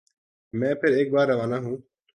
میں پھر ایک بار روانہ ہوں